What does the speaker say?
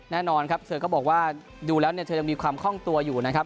แน่นอนครับเธอก็บอกว่าดูแล้วเนี่ยเธอยังมีความคล่องตัวอยู่นะครับ